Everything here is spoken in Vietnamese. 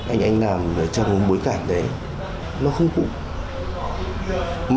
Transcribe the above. anh làm trong bối cảnh đấy nó không cụm